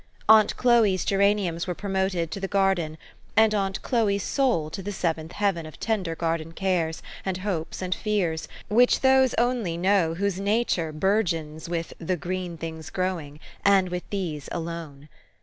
Aunt Chloe's geraniums were promoted to the gar den, and aunt Chloe's soul to the seventh heaven of tender garden cares and hopes and fears, which those only know whose nature bourgeons with " the green things growing, " and with these alone.